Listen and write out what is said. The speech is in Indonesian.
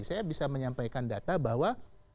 saya bisa menyampaikan data bahwa